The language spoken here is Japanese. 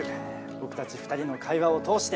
僕たち２人の会話を通して。